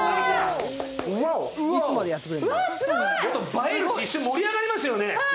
映えるし、一瞬盛り上がりますよね。